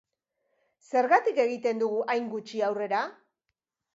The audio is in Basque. Zergatik egiten dugu hain gutxi aurrera?